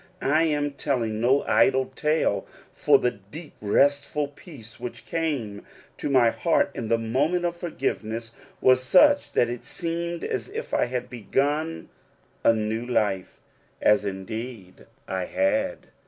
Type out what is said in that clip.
I am telling no idle tale, for the deep, restful peace which came to my heart in the moment of forgive ness was such that it seemed as if I had begun a new life ; as, indeed, I had.